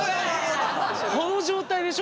この状態でしょ？